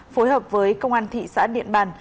phối hợp với công an thị xã điện bàn